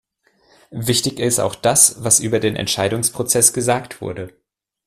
Wichtig ist auch das, was über den Entscheidungsprozess gesagt wurde.